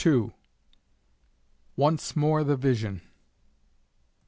ONCE MORE THE VISION.